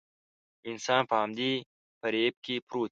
انسان په همدې فريب کې پروت وي.